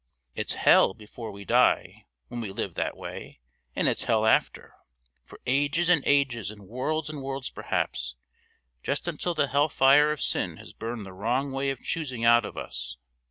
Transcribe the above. It's hell before we die when we live that way, and it's hell after, for ages and ages and worlds and worlds perhaps, just until the hell fire of sin has burned the wrong way of choosing out of us.